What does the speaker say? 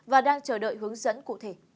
và đang chờ đợi hướng dẫn cụ thể